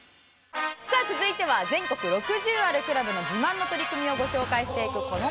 さあ続いては全国６０あるクラブの自慢の取り組みをご紹介していくこのコーナーです。